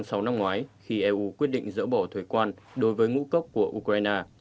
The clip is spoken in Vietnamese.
từ tháng sáu năm ngoái khi eu quyết định dỡ bỏ thuế quan đối với ngũ cốc của ukraine